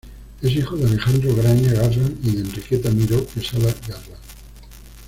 Es hijo de Alejandro Graña Garland y de Enriqueta Miró Quesada Garland.